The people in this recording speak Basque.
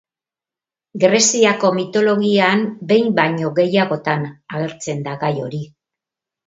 Greziako mitologian behin baino gehiagotan agertzen da gai hori.